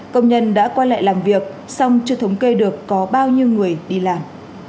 công nhân đã quay lại làm việc xong chưa thống kê được có bao nhiêu người đi làm